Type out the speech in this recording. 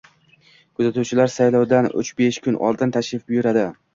Kuzatuvchilar saylovdan uch-besh kun oldin tashrif buyuradi.